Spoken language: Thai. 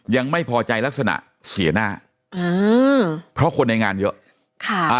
ยังไม่พอใจลักษณะเสียหน้าอ่าเพราะคนในงานเยอะค่ะอ่า